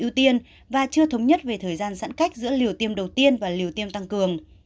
ưu tiên và chưa thống nhất về thời gian giãn cách giữa liều tiêm đầu tiên và liều tiêm tăng cường